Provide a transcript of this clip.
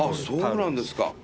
そうなんですか。